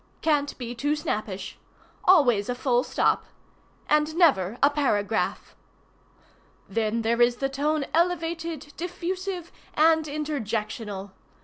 Can't be too snappish. Always a full stop. And never a paragraph. "Then there is the tone elevated, diffusive, and interjectional.